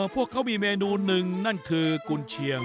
พวกเขามีเมนูหนึ่งนั่นคือกุญเชียง